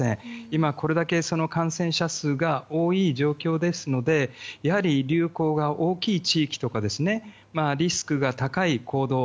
今これだけ感染者数が多い状況ですのでやはり流行が大きい地域ですとかリスクが高い行動